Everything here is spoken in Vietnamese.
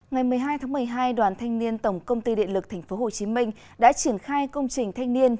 ngày một mươi hai tháng một mươi hai đoàn thanh niên tổng công ty điện lực tp hcm đã triển khai công trình thanh niên